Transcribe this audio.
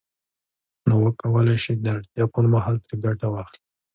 نو وکولای شي د اړتیا پر مهال ترې ګټه واخلي